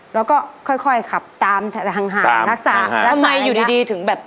แล้วก็ค่อยขับตามทางห่างตามทางห่างทำไมอยู่ดีถึงแบบ